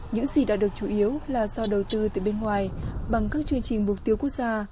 những gì đã được chủ yếu là do đầu tư từ bên ngoài bằng các chương trình mục tiêu quốc gia